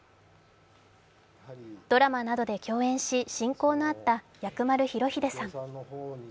ドラマなどで共演し、親交のあった薬丸裕英さん。